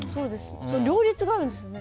両立があるんですよね。